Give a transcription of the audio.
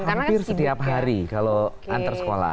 hampir setiap hari kalau antar sekolah